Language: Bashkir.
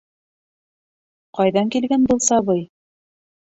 Ҡайҙан килгән был сабый?